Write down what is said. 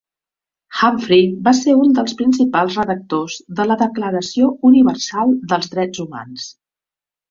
Humphrey va ser un dels principals redactors de la Declaració Universal dels Drets Humans.